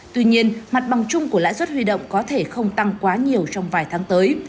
tuy nhiên mặt bằng chung của lãi suất huy động có thể không tăng quá nhiều trong vài tháng tới